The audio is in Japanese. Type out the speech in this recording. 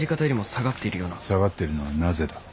下がってるのはなぜだ。